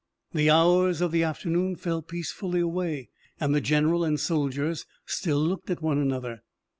The hours of the afternoon fell peacefully away, and the general and soldiers still looked at one another.